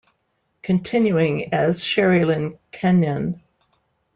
Continuing as Sherrilyn Kenyon.